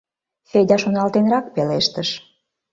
— Федя шоналтенрак пелештыш.